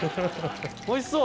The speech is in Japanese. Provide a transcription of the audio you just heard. おいしそう！